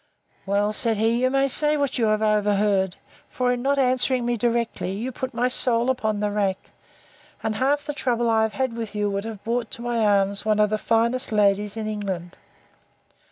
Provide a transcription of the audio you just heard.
Well, said he, you may say what you have overheard; for, in not answering me directly, you put my soul upon the rack; and half the trouble I have had with you would have brought to my arms one of the finest ladies in England.